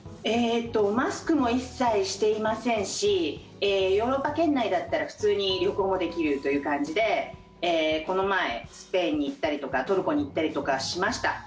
マスクも一切していませんしヨーロッパ圏内だったら普通に旅行もできるという感じでこの前スペインに行ったりとかトルコに行ったりとかしました。